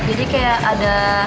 jadi kayak ada